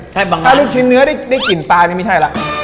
ใช่บางร้านถ้าลูกชิ้นเนื้อได้ได้กลิ่นปลานี่ไม่ใช่แล้ว